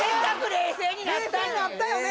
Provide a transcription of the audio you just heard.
冷静になったよね